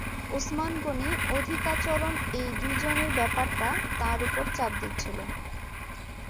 ওসমান গনি-অধিকাচরণ এই দু জনের ব্যাপারটা তাঁর ওপর চাপ দিচ্ছিল।